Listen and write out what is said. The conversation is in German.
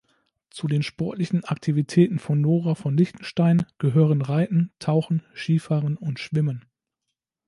Zu den sportlichen Aktivitäten von Nora von Liechtenstein gehören Reiten, Tauchen, Skifahren und Schwimmen.